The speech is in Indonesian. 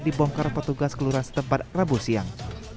dibongkar petugas kelurahan setempat rabu siang